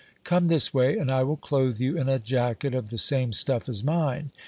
Come this way, and I will clothe you in a jacket of the same stuff as mine.